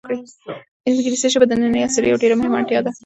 انګلیسي ژبه د ننني عصر یوه ډېره مهمه اړتیا ده.